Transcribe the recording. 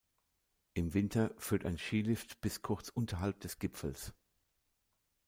Im Winter führt ein Skilift bis kurz unterhalb des Gipfels.